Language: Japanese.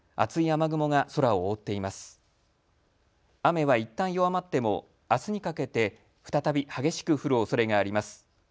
雨はいったん弱まってもあすにかけて再び激しく降るおそれがあります。